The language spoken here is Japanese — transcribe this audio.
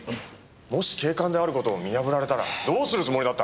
もし警官である事を見破られたらどうするつもりだった！？